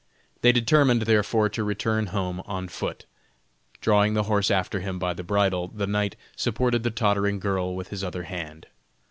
They determined, therefore, to return home on foot. Drawing the horse after him by the bridle, the knight supported the tottering girl with his other hand.